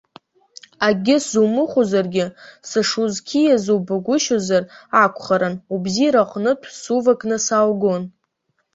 Акгьы сзумыхәозаргьы, сышузқьиаз убагәышьозар акәхарын, убзиара аҟнытә, сувакны сааугон.